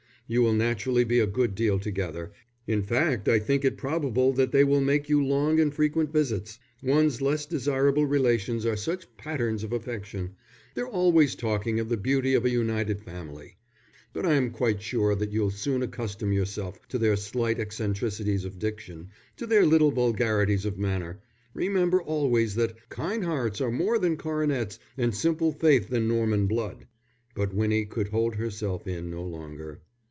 You will naturally be a good deal together. In fact, I think it probable that they will make you long and frequent visits. One's less desirable relations are such patterns of affection; they're always talking of the beauty of a united family. But I'm quite sure that you'll soon accustom yourself to their slight eccentricities of diction, to their little vulgarities of manner. Remember always that 'kind hearts are more than coronets and simple faith than Norman blood.'" But Winnie could hold herself in no longer.